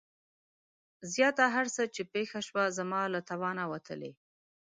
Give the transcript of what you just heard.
زياته هر څه چې پېښه شوه زما له توانه وتلې.